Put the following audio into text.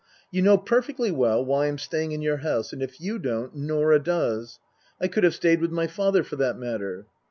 " You know perfectly well why I'm staying in your house ; and if you don't, Norah does. I could have stayed with my father, for that matter."